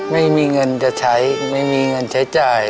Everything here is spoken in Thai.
ไม่มีเงินจะใช้ไม่มีเงินใช้จ่าย